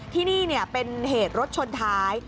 ที่นี่เป็นเหตุรถชนท้าย